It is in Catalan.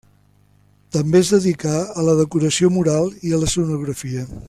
També es dedicà a la decoració mural i a l'escenografia.